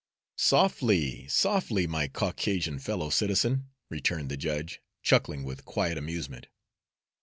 "Softly, softly, my Caucasian fellow citizen," returned the judge, chuckling with quiet amusement.